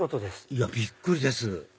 いやびっくりです！